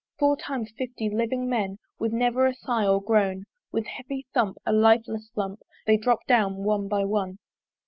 Four times fifty living men, With never a sigh or groan, With heavy thump, a lifeless lump They dropp'd down one by one.